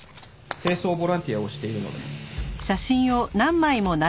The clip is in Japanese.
清掃ボランティアをしているので。